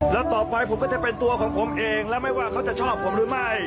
แล้วต่อไปผมก็จะเป็นตัวของผมเองและไม่ว่าเขาจะชอบผมหรือไม่